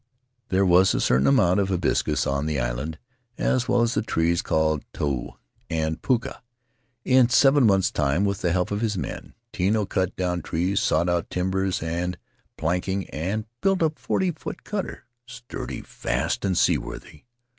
There was a certain amount of hibiscus on the island, as well as the trees called iou and puha. In seven months' time, with the help of his men, Tino cut down trees, sawed out timbers and planking, and built a forty foot cutter — sturdy, fast, and seaworthy.